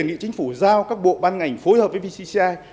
giao các bộ ban ngành phối hợp với vcci